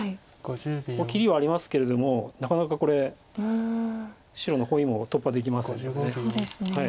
ここ切りはありますけれどもなかなかこれ白のコミも突破できませんので。